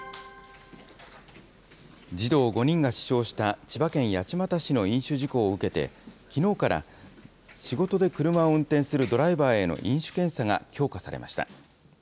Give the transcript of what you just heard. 児童５人が死傷した千葉県八街市の飲酒事故を受けて、きのうから、仕事で車を運転するドライバーへの飲酒検査が強化されました。